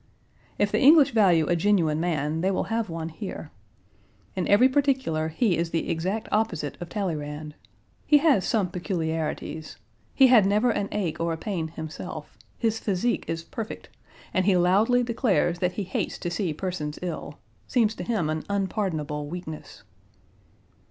If the English value a genuine man they will have one here. In every particular he is the exact opposite of Talleyrand. He has some peculiarities. He had never an ache or a pain himself; his physique is perfect, and he loudly declares that he hates to see persons ill; seems to him an unpardonable weakness.